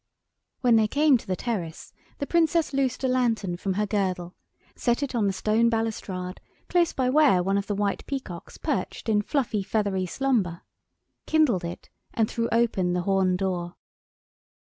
When they came to the terrace the Princess loosed a lantern from her girdle, set it on the stone balustrade close by where one of the white peacocks perched in fluffy feathery slumber, kindled it, and threw open the horn door.